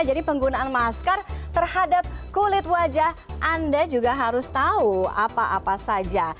jadi penggunaan masker terhadap kulit wajah anda juga harus tahu apa apa saja